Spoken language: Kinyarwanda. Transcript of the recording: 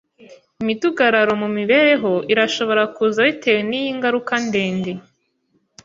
Imidugararo mu mibereho irashobora kuza bitewe niyi ngaruka ndende.